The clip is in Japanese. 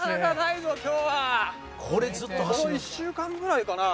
ここ一週間ぐらいかな？